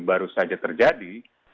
baru saja terjadi